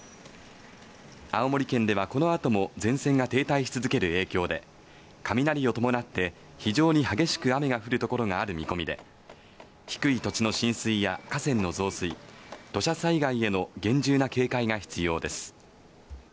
青森県ではこのあとも前線が停滞し続ける影響で雷を伴って非常に激しく雨が降る所がある見込みで低い土地の浸水や河川の増水土砂災害への厳重な警戒が必要です